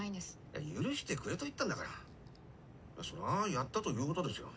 いや許してくれと言ったんだからまあそりゃあやったということですよ。